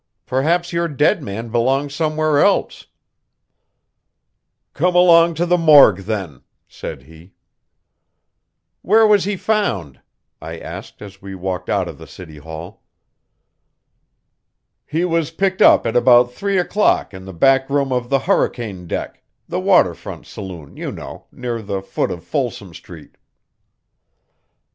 "Perhaps your dead man belongs somewhere else." "Come along to the morgue, then," said he. "Where was he found?" I asked as we walked out of the City Hall. "He was picked up at about three o'clock in the back room of the Hurricane Deck the water front saloon, you know near the foot of Folsom Street."